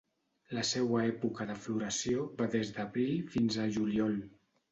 La seua època de floració va des d'abril fins a juliol.